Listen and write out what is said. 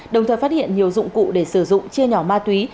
đồng thời phát hiện nhiều dụng cụ để sử dụng chia nhỏ ma túy